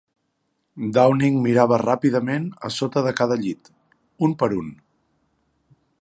Downing mirava ràpidament a sota de cada llit, un per un.